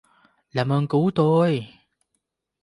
làm ơn cứu tôi